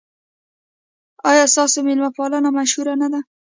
ایا ستاسو میلمه پالنه مشهوره نه ده؟